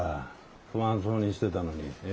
不安そうにしてたのにええ？